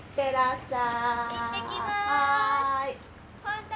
はい。